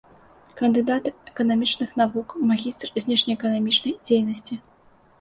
Кандыдат эканамічных навук, магістр знешнеэканамічнай дзейнасці.